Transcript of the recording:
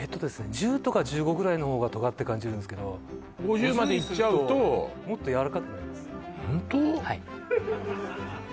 １０とか１５ぐらいのほうがトガって感じるんですけど５０までいっちゃうともっとやわらかくなりますホント？